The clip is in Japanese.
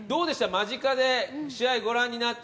間近で試合をご覧になって。